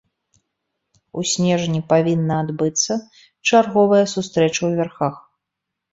У снежні павінна адбыцца чарговая сустрэча ў вярхах.